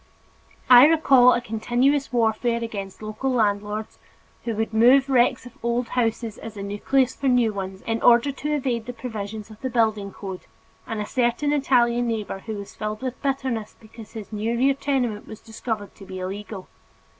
I recall a continuous warfare against local landlords who would move wrecks of old houses as a nucleus for new ones in order to evade the provisions of the building code, and a certain Italian neighbor who was filled with bitterness because his new rear tenement was discovered to be illegal.